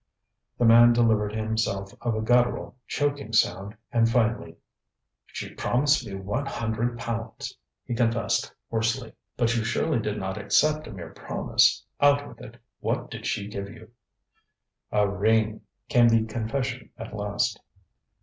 ŌĆØ The man delivered himself of a guttural, choking sound, and finally: ŌĆ£She promised one hundred pounds, ŌĆØ he confessed hoarsely. ŌĆ£But you surely did not accept a mere promise? Out with it. What did she give you? ŌĆØ ŌĆ£A ring, ŌĆØ came the confession at last.